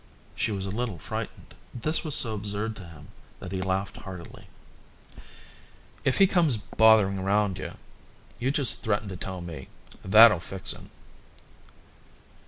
She was a little frightened. This was so absurd to him that he laughed heartily. "If he comes bothering round you, you just threaten to tell me. That'll fix him."